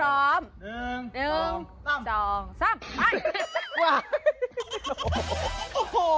โอ้โห